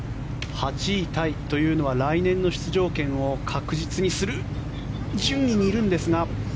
８位タイというのは来年の出場権を確実にする順位にいるんですが。